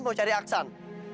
mau cari aksan